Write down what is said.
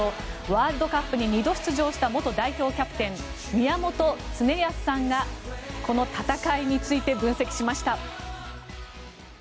ワールドカップに２度出場した元代表キャプテン宮本恒靖さんがこの戦いについて分析しました。